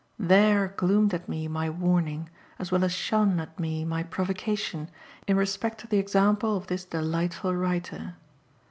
THERE gloomed at me my warning, as well as shone at me my provocation, in respect to the example of this delightful writer.